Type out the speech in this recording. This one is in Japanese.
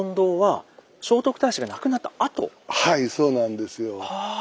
はいそうなんですよ。あぁ。